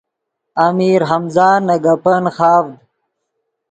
امیر ہمزہ نے گپن خاڤد